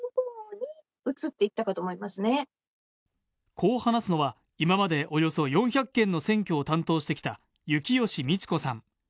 こう話すのは、今までおよそ４００件の選挙を担当してきた幸慶美智子さん。